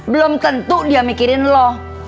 belum tentu dia mikirin loh